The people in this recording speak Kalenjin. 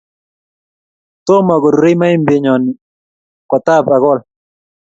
Tomo korurei maembyonni kotab akol